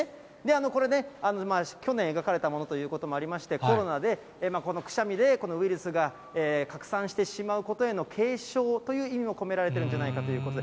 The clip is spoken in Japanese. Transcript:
これね、去年、描かれたものということもありまして、コロナで、このくしゃみで、このウイルスが拡散してしまうことへの警鐘という意味も込められているんじゃないかということで。